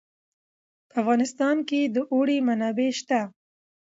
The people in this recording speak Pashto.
په افغانستان کې د اوړي منابع شته.